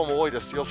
予想